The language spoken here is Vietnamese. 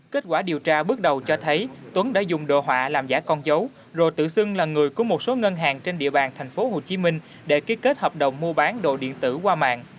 kết quả điều tra bước đầu cho thấy tuấn đã dùng đồ họa làm giả con dấu rồi tự xưng là người của một số ngân hàng trên địa bàn thành phố hồ chí minh để ký kết hợp đồng mua bán đồ điện tử qua mạng